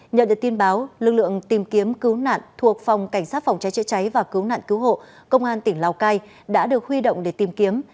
nhờ được tin báo lực lượng tìm kiếm cứu nạn thuộc phòng cảnh sát phòng cháy chữa cháy và cứu nạn cứu hộ công an tỉnh lào cai đã được huy động để tìm kiếm